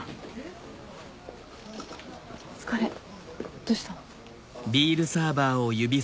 お疲れどうしたの？